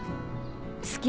好き？